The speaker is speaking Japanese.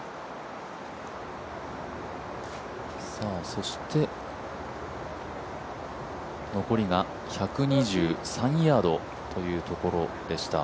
そして残りが１２３ヤードというところでした。